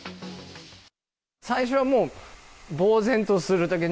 最初はもう、ぼう然とするだけ。